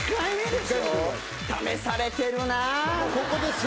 ここで。